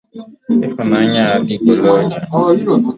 ịhụnanya adịgboloja